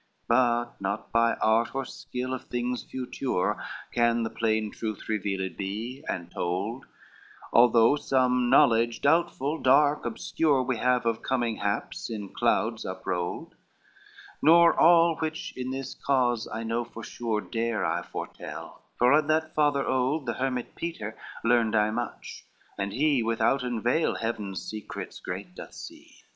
LXXXVIII "But not by art or skill, of things future Can the plain truth revealed be and told, Although some knowledge doubtful, dark, obscure We have of coming haps in clouds uprolled; Nor all which in this cause I know for sure Dare I foretell: for of that father old, The hermit Peter, learned I much, and he Withouten veil heaven's secrets great doth see.